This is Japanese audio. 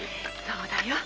そうだよ。